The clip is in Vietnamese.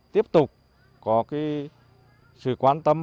tiếp tục có sự quan tâm